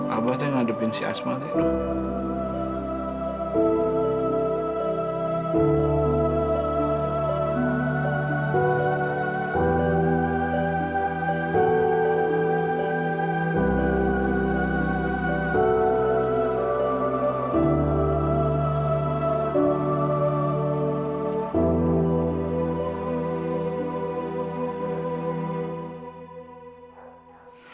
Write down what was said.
abah teh ngadepin si asma teh dong